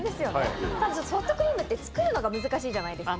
ソフトクリームって、作るのが難しいじゃないですか。